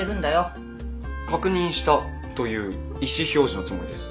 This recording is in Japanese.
確認したという意思表示のつもりです。